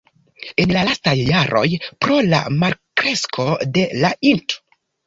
En la lastaj jaroj pro la malkresko de la int.